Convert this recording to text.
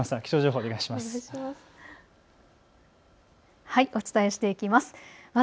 お伝えしていきます。